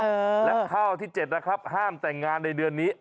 และข้าวที่เจ็ดนะครับห้ามแต่งงานในเดือนนี้